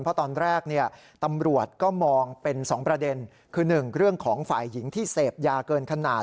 เพราะตอนแรกตำรวจก็มองเป็น๒ประเด็นคือ๑เรื่องของฝ่ายหญิงที่เสพยาเกินขนาด